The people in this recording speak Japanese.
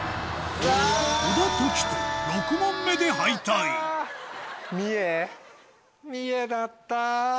小田凱人６問目で敗退三重だった。